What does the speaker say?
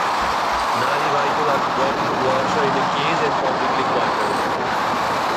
Nalivaiko was brought to Warsaw in a cage and publicly quartered.